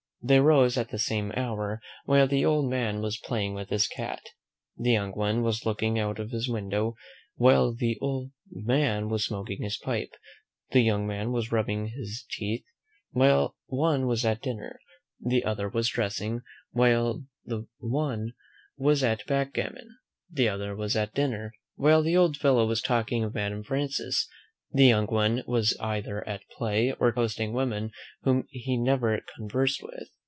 They rose at the same hour: while the old man was playing with his cat, the young one was looking out of his window; while the old man was smoking his pipe, the young man was rubbing his teeth; while one was at dinner, the other was dressing; while one was at backgammon, the other was at dinner; while the old fellow was talking of Madame Frances, the young one was either at play, or toasting women whom he never conversed with.